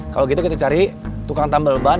kalau gitu kita cari tukang tambal ban